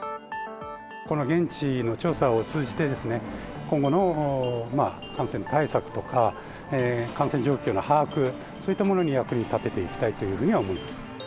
この現地の調査を通じて、今後の感染対策とか感染状況の把握、そういったものに役に立てていきたいというふうには思います。